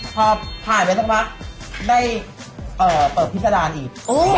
พอผ่านแล้วก็ได้เปิดพี่ศดารอีก